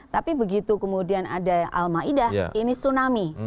tapi begitu kemudian ada al ma'idah ini tsunami